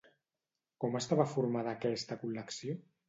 Com estava formada aquesta col·lecció?